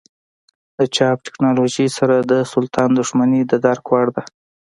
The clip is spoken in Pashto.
د چاپ ټکنالوژۍ سره د سلطان دښمني د درک وړ ده.